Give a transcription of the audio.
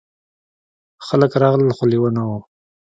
خلک راغلل خو لیوه نه و.